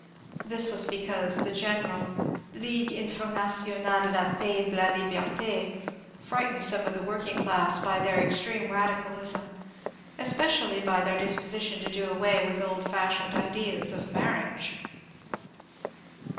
This was because the general ^^ Ligue Internationale de la Paix et de la Libert^ " frightened some of the working class by their extreme radicalism, especially by their disposition to do away with old fashioned ideas of marriage.